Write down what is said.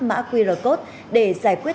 mã qr code để giải quyết